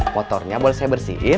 motornya boleh saya bersihin